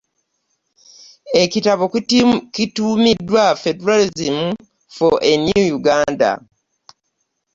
Ekitabo kituumiddwa Federalism for a New Uganda